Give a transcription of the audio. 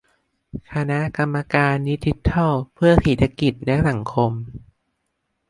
คณะกรรมการดิจิทัลเพื่อเศรษฐกิจและสังคม